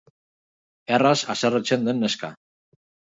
Erraz haserretzen den neska.